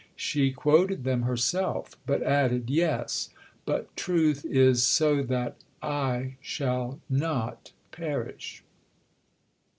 She quoted them herself, but added, "Yes; but Truth is so that 'I' shall not perish."